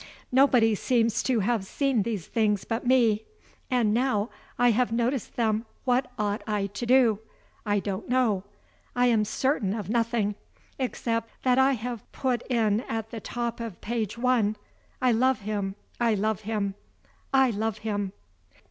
Nobody seems to have seen these things but me; and now I have noticed them what ought I to do? I don't know; I am certain of nothing, except what I have put in at the top of page one: I love him, I love him, I love him."